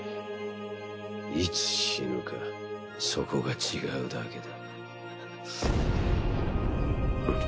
いつ死ぬかそこが違うだけだ。